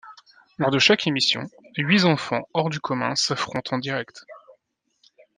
Lors de chaque émission, huit enfants hors du commun s'affrontent en direct.